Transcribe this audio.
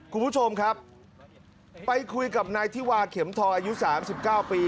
คุณผู้ชมครับไปคุยกับนายธิวาเข็มทองอายุ๓๙ปี